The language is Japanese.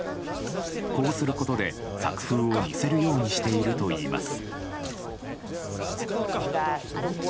こうすることで、作風を似せるようにしているといいます。